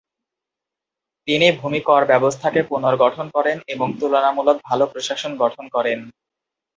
তিনি ভূমি কর ব্যবস্থাকে পুনর্গঠন করেন এবং তুলনামূলক ভালো প্রশাসন গঠন করেন।